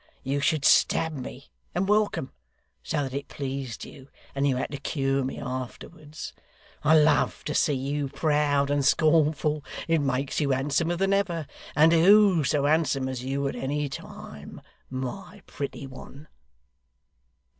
You should stab me and welcome, so that it pleased you, and you had to cure me afterwards. I love to see you proud and scornful. It makes you handsomer than ever; and who so handsome as you at any time, my pretty one!